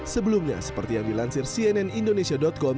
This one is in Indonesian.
sebelumnya seperti yang dilansir cnn indonesia com